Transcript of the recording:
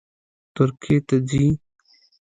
ترکیې ته ځي